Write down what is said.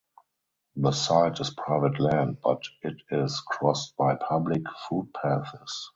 The site is private land but it is crossed by public footpaths.